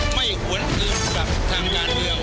ไม่หวนอื่นกับทางยานเดียว